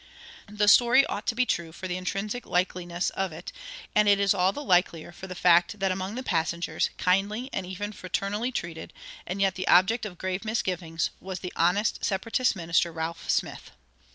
'" The story ought to be true, for the intrinsic likeliness of it; and it is all the likelier for the fact that among the passengers, kindly and even fraternally treated, and yet the object of grave misgivings, was the honest Separatist minister, Ralph Smith.